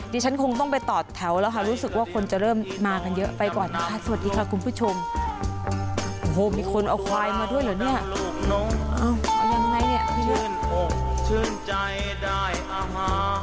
ดิฉันคงต้องไปต่อแถวแล้วค่ะรู้สึกว่าคนจะเริ่มมากันเยอะไปก่อนนะคะสวัสดีค่ะคุณผู้ชม